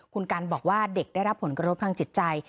คุณกันบอกว่าเด็กได้รับผลกระทบทางจิตใจ